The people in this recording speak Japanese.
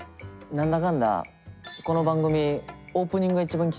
何だかんだ。